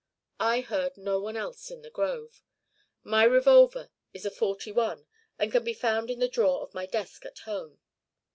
I heard no one else in the grove. My revolver was a forty one and can be found in the drawer of my desk at home.